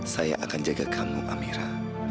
saya akan jaga kamu amira